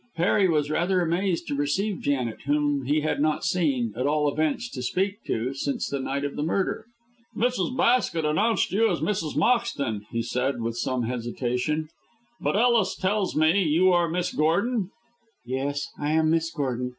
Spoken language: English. Harry was rather amazed to receive Janet, whom he had not seen at all events, to speak to since the night of the murder. "Mrs. Basket announced you as Mrs. Moxton," he said, with some hesitation; "but, Ellis tells me, you are Miss Gordon?" "Yes, I am Miss Gordon.